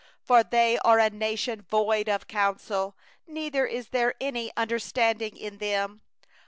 28For they are a nation void of counsel, And there is no understanding in them.